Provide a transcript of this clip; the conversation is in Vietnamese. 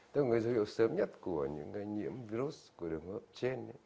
thế còn cái dấu hiệu sớm nhất của những cái nhiễm virus của đường hô hấp trên